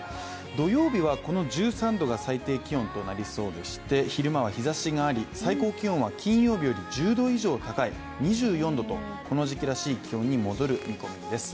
土曜日はこの１３度が最低気温となりそうでして昼間は日ざしがあり、最高気温は金曜日より１０度以上高い２４度と、この時期らしい気温に戻る見込みです。